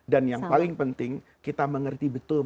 dan yang paling penting kita mengerti betul